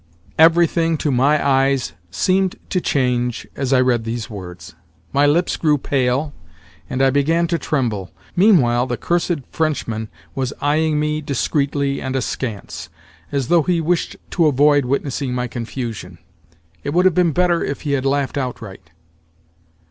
Everything, to my eyes, seemed to change as I read these words. My lips grew pale, and I began to tremble. Meanwhile, the cursed Frenchman was eyeing me discreetly and askance, as though he wished to avoid witnessing my confusion. It would have been better if he had laughed outright.